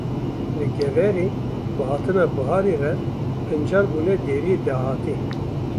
Li Geverê bi hatina biharê re pincar bûne deriyê dahatê.